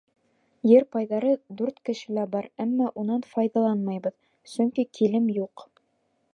Ер пайҙары дүрт кешелә бар, әммә унан файҙаланмайбыҙ, сөнки килем юҡ.